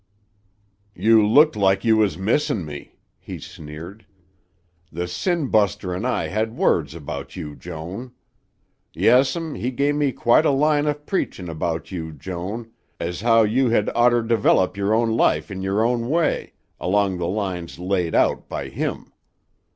"You looked like you was missin' me," he sneered. "The sin buster an' I had words about you, Joan. Yes'm, he give me quite a line of preachin' about you, Joan, as how you hed oughter develop yer own life in yer own way along the lines laid out by him.